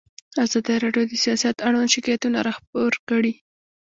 ازادي راډیو د سیاست اړوند شکایتونه راپور کړي.